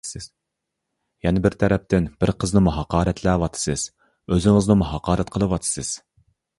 يەنە بىر تەرەپتىن بىر قىزنىمۇ ھاقارەتلەۋاتىسىز، ئۆزىڭىزنىمۇ ھاقارەت قىلىۋاتىسىز.